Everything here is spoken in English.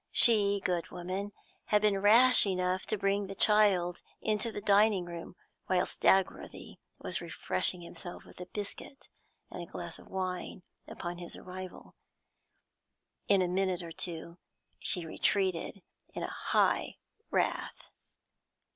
She, good woman, had been rash enough to bring the child into the dining room whilst Dagworthy was refreshing himself with a biscuit and a glass of wine upon his arrival; in a minute or two she retreated in high wrath.